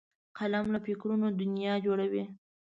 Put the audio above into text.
قلم له فکرونو دنیا جوړوي